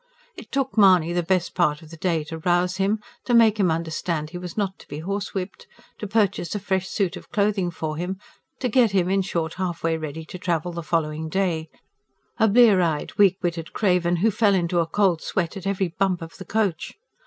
It took Mahony the best part of the day to rouse him; to make him understand he was not to be horsewhipped; to purchase a fresh suit of clothing for him: to get him, in short, halfway ready to travel the following day a blear eyed, weak witted craven, who fell into a cold sweat at every bump of the coach.